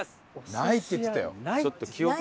「ない」って言ってたよ。